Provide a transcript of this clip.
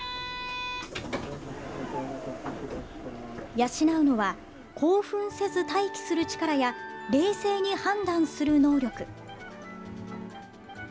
養うのは、興奮せず待機する力や冷静に判断する能力。